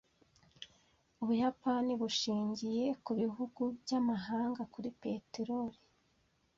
Ubuyapani bushingiye kubihugu byamahanga kuri peteroli.